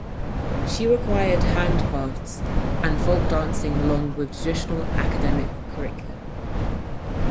She required hand crafts and folk dancing along with the traditional academic curriculum.